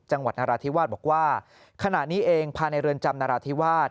นราธิวาสบอกว่าขณะนี้เองภายในเรือนจำนราธิวาส